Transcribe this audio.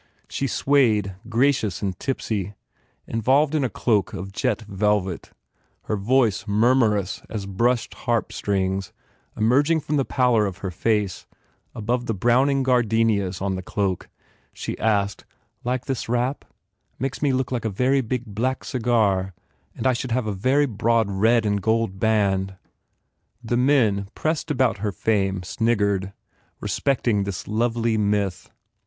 She swayed, gracious and tipsy, involved in a cloak of jet velvet, her voice murmurous as brushed harp strings emerging from the pallor of her face above the browning gardenias on the cloak. She asked, "Like this wrap? Makes me feel like a very big black cigar I should have a very broad red and gold band." The men pressed about her fame sniggered, respecting this lovely myth.